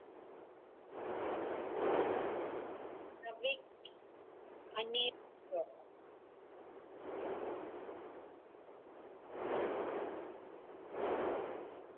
Savik aniiqsuq.